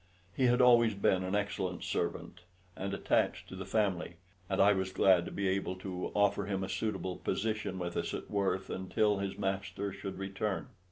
He had always been an excellent servant, and attached to the family, and I was glad to be able to offer him a suitable position with us at Worth until his master should return.